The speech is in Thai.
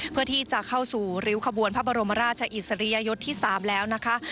เพื่อที่จะเข้าสู่ริ้วขบวนพระบรมราชอิสริยยศที่๓แล้วนะคะ